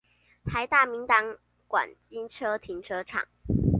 臺大明達館機車停車場